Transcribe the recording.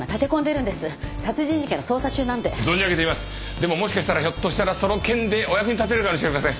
でももしかしたらひょっとしたらその件でお役に立てるかもしれません。